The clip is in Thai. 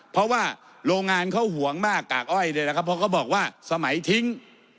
เพราะว่าโรงงานเขาห่วงมากกากอ้อยเนี่ยนะครับเพราะเขาบอกว่าสมัยทิ้ง